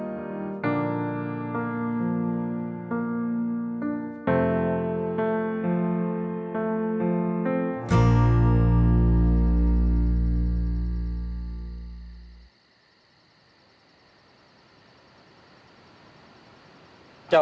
มาใช้ดูเรื่องที่แทนนะ